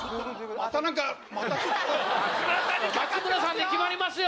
松村さんで決まりますよ。